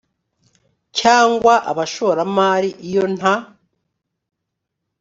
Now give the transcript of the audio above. cyangwa abashoramari iyo nta